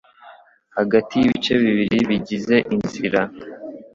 hagati y'ibice bibiri bigize Inzira